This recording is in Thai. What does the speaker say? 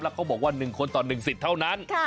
เขาบอกว่า๑คนต่อ๑สิทธิ์เท่านั้น